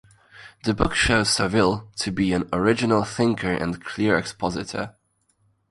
The book showed Savill to be an original thinker and clear expositor.